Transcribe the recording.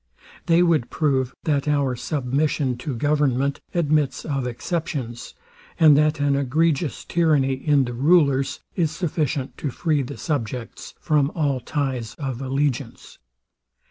They would prove, that our submission to government admits of exceptions, and that an egregious tyranny in the rulers is sufficient to free the subjects from all ties of allegiance.